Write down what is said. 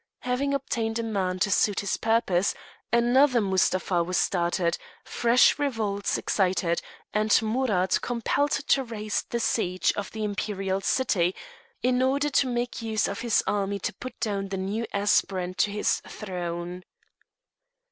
Having obtained a man to suit his purpose, another Mustapha was started, fresh revolts excited, and Amurath compelled to raise the siege of the imperial city, in order to make use of his army to put down the new aspirant to his throne.